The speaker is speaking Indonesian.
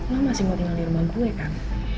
lo masih mau tinggal di rumah gue kan